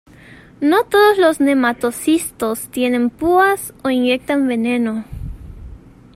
No todos los nematocistos tienen púas o inyectan veneno.